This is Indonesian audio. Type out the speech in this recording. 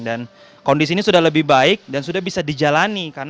kondisi ini sudah lebih baik dan sudah bisa dijalani